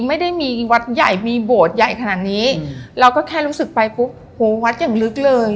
ไม่ได้มีวัดใหญ่มีโบสถ์ใหญ่ขนาดนี้เราก็แค่รู้สึกไปปุ๊บโหวัดอย่างลึกเลย